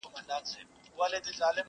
• لوستونکي بېلابېل نظرونه ورکوي,